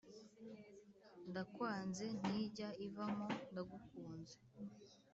Ndakwanze ntijya ivamo ndagukunze.